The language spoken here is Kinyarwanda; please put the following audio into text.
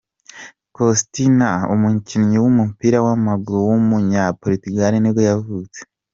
Costinha, umukinnyi w’umupira w’amaguru w’umunya-Portugal nibwo yavutse.